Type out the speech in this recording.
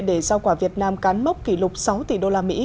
để giao quả việt nam cán mốc kỷ lục sáu tỷ usd